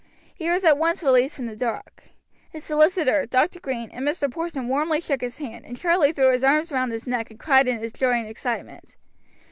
He was at once released from the dock. His solicitor, Dr. Green, and Mr. Porson warmly shook his hand, and Charlie threw his arms round his neck and cried in his joy and excitement.